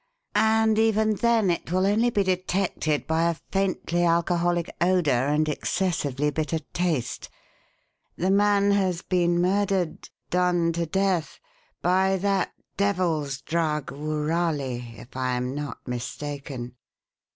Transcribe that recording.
And even then it will only be detected by a faintly alcoholic odour and excessively bitter taste. The man has been murdered done to death by that devil's drug woorali, if I am not mistaken.